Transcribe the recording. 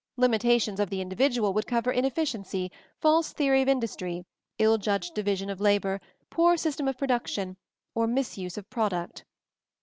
Limitations of the in dividual would cover inefficiency, false theory of industry, ill judged division of labor, poor system of production, or misuse of product.